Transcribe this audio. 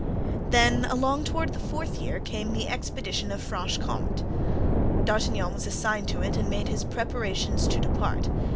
Then along toward the fourth year came the expedition of Franche Comte. D'Artagnan was assigned to it and made his preparations to depart.